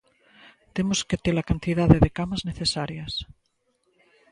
Temos que ter a cantidade de camas necesarias.